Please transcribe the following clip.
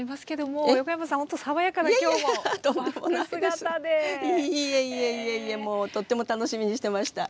もうとっても楽しみにしてました。